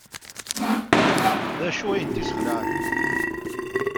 D acu ay tent-yesxelɛen?